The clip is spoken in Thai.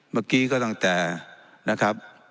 เมื่อกี้ก็ตั้งแต่นะครับ